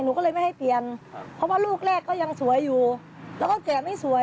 หนูก็เลยไม่ให้เปลี่ยนเพราะว่าลูกแรกก็ยังสวยอยู่แล้วก็แก่ไม่สวย